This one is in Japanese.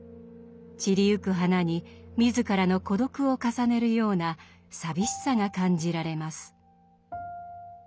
散りゆく花に自らの孤独を重ねるような寂しさが感じられます。